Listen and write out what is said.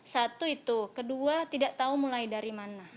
satu itu kedua tidak tahu mulai dari mana